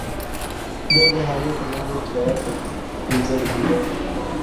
د دهالې تر بنده کرایه پنځه روپۍ ده.